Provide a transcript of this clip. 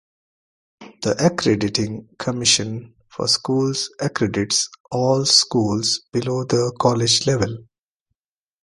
The Accrediting Commission for Schools accredits all schools below the college level.